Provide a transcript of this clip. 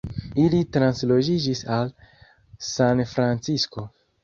Ili transloĝiĝis al Sanfrancisko.